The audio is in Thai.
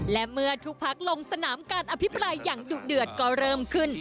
และเมื่อทุกพักลงสนามการอภิปรายอย่างดุเดือดก็เริ่มขึ้น